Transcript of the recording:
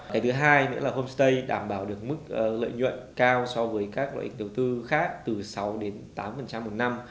cái thứ hai nữa là homestay đảm bảo được mức lợi nhuận cao so với các loại đầu tư khác từ sáu đến tám một năm